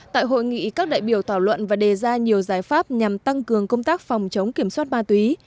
tại hội nghị các đại biểu tỏ luận và đề ra nhiều giải pháp nhằm tăng cường công tác phòng chống kiểm soát ma túy